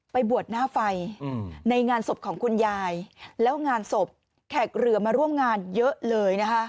บวชหน้าไฟในงานศพของคุณยายแล้วงานศพแขกเรือมาร่วมงานเยอะเลยนะคะ